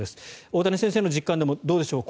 大谷先生の実感でもどうでしょう